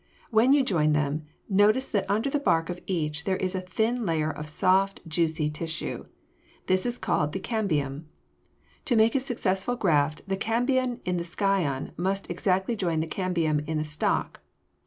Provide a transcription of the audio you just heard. When you join them, notice that under the bark of each there is a thin layer of soft, juicy tissue. This is called the cambium. To make a successful graft the cambium in the scion must exactly join the cambium in the stock.